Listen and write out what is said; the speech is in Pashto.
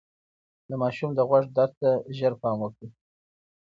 د ماشوم د غوږ درد ته ژر پام وکړئ.